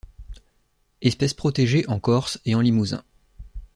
Espèce protégée en Corse et en Limousin.